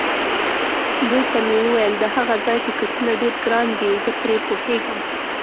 دوی ته مې وویل: د هغه ځای ټکټونه ډېر ګران دي، زه پرې پوهېږم.